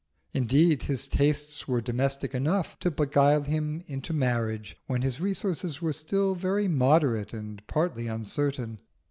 Indeed his tastes were domestic enough to beguile him into marriage when his resources were still very moderate and partly uncertain.